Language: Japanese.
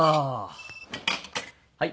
はい。